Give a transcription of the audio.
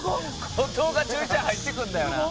後藤がちょいちょい入ってくるんだよな。